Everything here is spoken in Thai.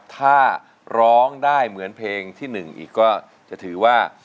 ถ้าร้องได้เหมือนเพลงที่๑อีกก็จะถือว่า